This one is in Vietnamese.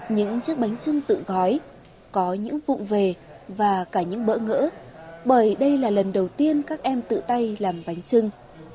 những chiếc bánh trưng tự gói có những vụn về và cả những bỡ ngỡ bởi đây là lần đầu tiên các em tự tay làm bánh trưng